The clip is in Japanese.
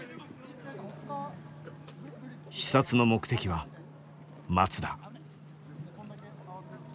視察の目的は松田。